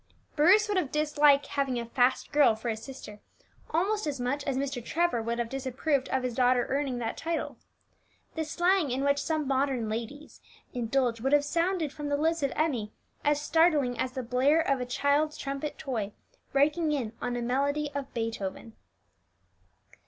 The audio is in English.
Bruce would have disliked having "a fast girl" for his sister almost as much as Mr. Trevor would have disapproved of his daughter earning that title. The slang in which some modern ladies (?) indulge would have sounded from the lips of Emmie as startling as the blare of a child's trumpet toy breaking in on a melody of Beethoven.